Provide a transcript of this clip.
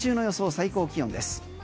最高気温です。